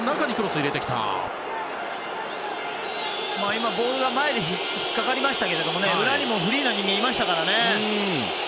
今、ボールが前で引っ掛かりましたけど裏にもフリーな人間いましたからね。